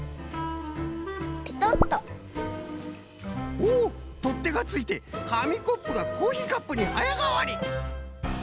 おおっとってがついてかみコップがコーヒーカップにはやがわり！